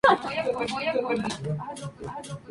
Silvia es una joven de engañosa y perversa personalidad.